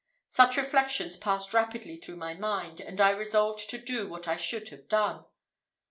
Such reflections passed rapidly through my mind, and I resolved to do what I should have done.